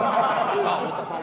さあ太田さん